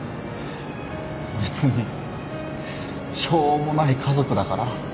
別にしょうもない家族だから。